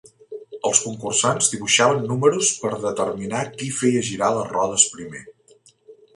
Els concursants dibuixaven números per determinar qui feia girar les rodes primer.